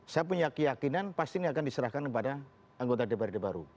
saya punya keyakinan pasti ini akan diserahkan kepada anggota dprd baru